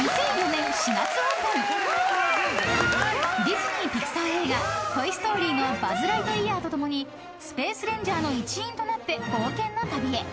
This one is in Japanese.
［ディズニーピクサー映画『トイ・ストーリー』のバズ・ライトイヤーとともにスペース・レンジャーの一員となって冒険の旅へ］